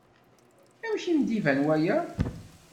Amek i m-d-iban waya?